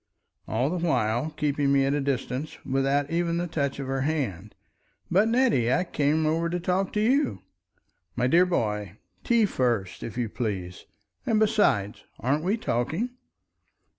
All the while, keeping me at a distance, without even the touch of her hand. "But, Nettie! I came over to talk to you!" "My dear boy! Tea first, if you please! And besides—aren't we talking?"